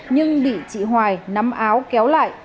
nhưng bị chị hoài nắm áo kéo lại